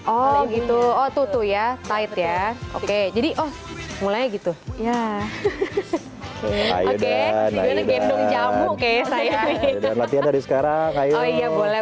oh gitu oh tuh ya tight ya oke jadi oh mulai gitu ya oke gendong jamu oke saya sekarang boleh boleh